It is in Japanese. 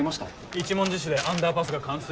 一文字市でアンダーパスが冠水。